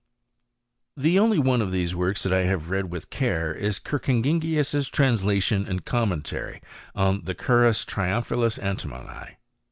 *g The only one of these works that I have read witll^i care, is KerkHngius*s translation and commentary dll»f the Currus triumphalis Antimonii.